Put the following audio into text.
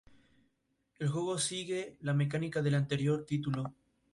El pueblo Coso fue una tribu indígena que habitó esta sierra.